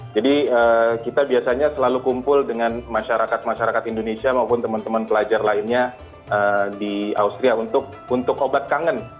jadi kita biasanya selalu kumpul dengan masyarakat masyarakat indonesia maupun teman teman pelajar lainnya di austria untuk obat kangen